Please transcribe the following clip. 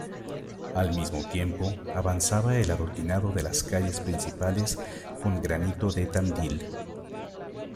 Al mismo tiempo, avanzaba el adoquinado de las calles principales con granito de Tandil.